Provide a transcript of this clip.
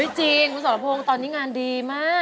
จริงคุณสรพงศ์ตอนนี้งานดีมาก